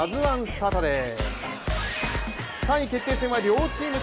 サタデー。